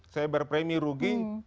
saya bayar premi rugi